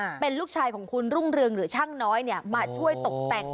เป็นลูกชายของคุณรุ่งเรืองหรือช่างน้อยเนี่ยมาช่วยตกแต่ง